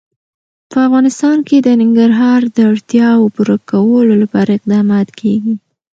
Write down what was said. په افغانستان کې د ننګرهار د اړتیاوو پوره کولو لپاره اقدامات کېږي.